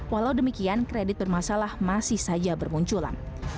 walau demikian kredit bermasalah masih saja bermunculan